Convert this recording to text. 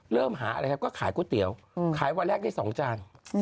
เริ่มหาอะไรครับก็ขายก๋วยเตี๋ยวขายวันแรกได้๒จาน